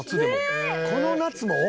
この夏も？